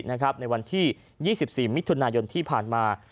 ในวันที่๒๔มิถุนายนที่ผ่านมา